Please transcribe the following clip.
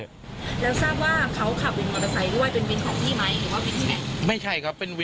แล้วทราบว่าเขาขับวินมอเตอร์ไซส์ด้วยเป็นวินของพี่ไหมหรือว่าวินใช่